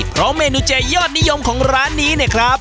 เพราะเมนูเจยอดนิยมของร้านนี้เนี่ยครับ